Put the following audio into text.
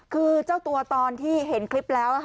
คือเจ้าตัวตอนที่เห็นคลิปแล้ว